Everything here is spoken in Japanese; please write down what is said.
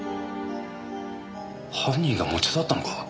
犯人が持ち去ったのか？